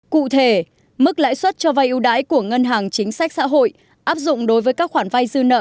cụ thể mức lãi suất cho vai yêu đái của ngân hàng chính sách xã hội áp dụng đối với các khoản vai dư nợ